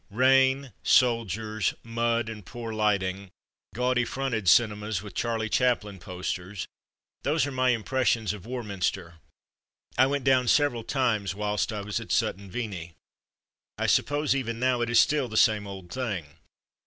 Rain, soldiers, mud, and poor lighting, gaudy fronted cinemas with ''Charlie Chap lin^' posters, those are my impressions of Warminster. I went down several times whilst I was at Sutton Veney. I suppose even now it is still the same old thing.